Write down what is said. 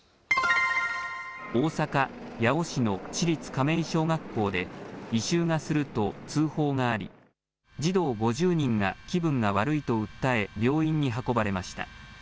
大阪・八尾市の市立亀井小学校で、異臭がすると通報があり、児童５０人が気分が悪いと訴え、病院に運ばれました。